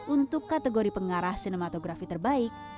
untuk kategori pengarah sinematografi terbaik